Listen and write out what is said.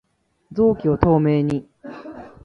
臓器を透明に